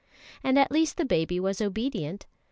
And at least the baby was obedient.